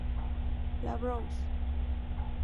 La Brousse